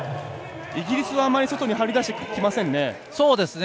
イギリスはあまり外に張り出してきませんね。